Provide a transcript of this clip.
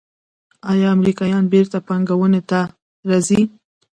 آیا امریکایان بیرته پانګونې ته راځí؟